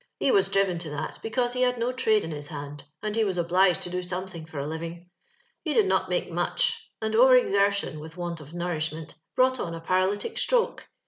He was driven to that because he had no trade in his hand, and he was obliged to do something for a living. He did not make much, and over exertion, with want of nourishment, brought on a para lytio stroke.